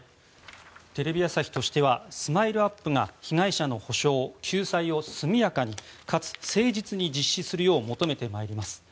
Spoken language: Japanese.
テレビ朝日としてはＳＭＩＬＥ−ＵＰ．が被害者の補償・救済を速やかにかつ誠実に実施するよう求めて参ります。